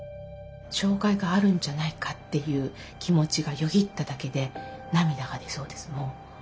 障害があるんじゃないかっていう気持ちがよぎっただけで涙が出そうですもう。